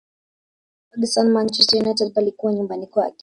ferguson manchester united palikuwa nyumbani kwake